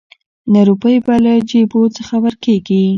نه روپۍ به له جېبو څخه ورکیږي